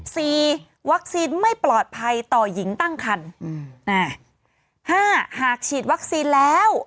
วัคซีนไม่ปลอดภัยต่อหญิงตั้งคันอืมอ่าห้าหากฉีดวัคซีนแล้ว